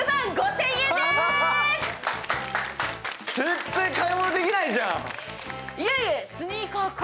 全然買い物できないじゃん。